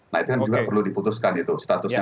nah itu kan juga perlu diputuskan itu statusnya